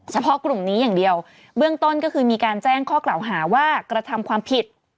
เฉพาะกลุ่มนี้อย่างเดียวเบื้องต้นก็คือมีการแจ้งข้อกล่าวหาว่ากระทำความผิด